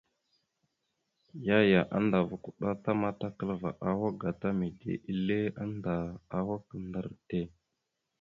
Yaya andava kuɗa ta matakalva awak gata mide ille annda awak ɗar te.